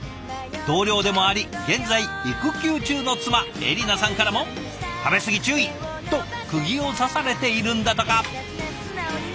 同僚でもあり現在育休中の妻恵里奈さんからも食べ過ぎ注意！とくぎを刺されているんだとか。